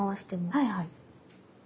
はいはい。